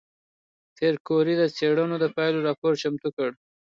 پېیر کوري د څېړنو د پایلو راپور چمتو کړ.